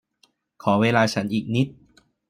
ขอเวลาฉันอีกนิด